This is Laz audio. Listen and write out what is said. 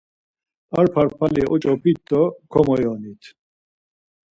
Ar parpali oç̌opit do komoyonit.